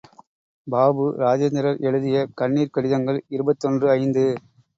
பாபு இராஜேந்திரர் எழுதிய கண்ணீர்க் கடிதங்கள் இருபத்தொன்று ஐந்து.